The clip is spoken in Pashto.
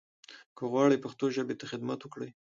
که غواړٸ پښتو ژبې ته خدمت وکړٸ